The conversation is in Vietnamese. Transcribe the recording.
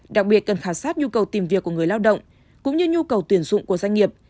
đặc biệt cần khảo sát nhu cầu tìm việc của người lao động cũng như nhu cầu tuyển dụng của doanh nghiệp